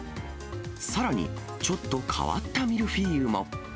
さらに、ちょっと変わったミルフィーユも。